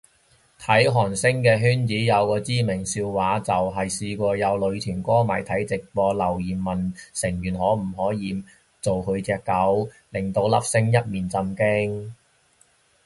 睇韓星嘅圈子有個知名笑話，就係試過有女團歌迷睇直播，留言問成員可唔可以做佢隻狗，令到粒星一面震驚